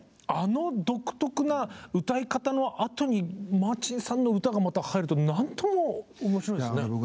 あの独特な歌い方のあとにマーチンさんの歌がまた入ると何とも面白いですね。